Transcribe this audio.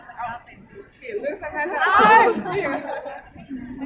เวลาแรกพี่เห็นแวว